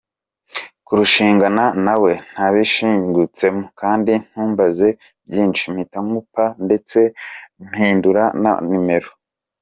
kurushingana nawe nabishingutsemo, kandi ntumbaze byinshi !” mpita nkupa ndetse mpindura na numero.